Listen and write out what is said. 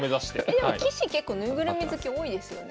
棋士結構ぬいぐるみ好き多いですよね。